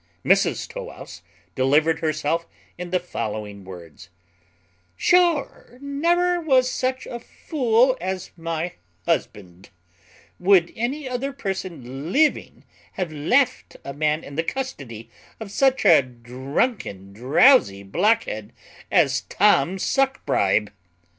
Mrs Tow wouse delivered herself in the following words: "Sure never was such a fool as my husband; would any other person living have left a man in the custody of such a drunken drowsy blockhead as Tom Suckbribe?"